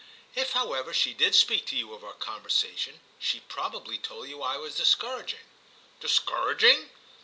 If however she did speak to you of our conversation she probably told you I was discouraging." "Discouraging?"